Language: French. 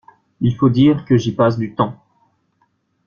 Il faut dire que j’y passe du temps.